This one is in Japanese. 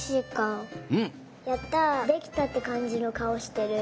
やったできたってかんじのかおしてる。